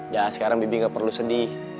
ya sekarang bibi nggak perlu sedih